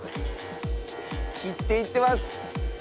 切っていってます。